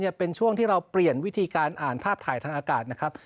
เป็นช่วงที่เราเปลี่ยนวิธีการอ่านภาพถ่ายทางอากาศนะครับ